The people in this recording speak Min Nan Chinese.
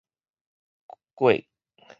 蕨